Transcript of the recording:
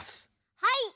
はい！